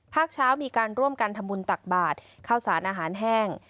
ภาคเช้ามีการร่วมกันทำบุญตักบาทข้าวสารอาหารแห้ง